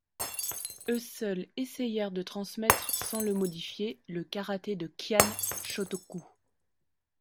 Eux seuls essayèrent de transmettre sans le modifier le karaté de Kyan Chotoku.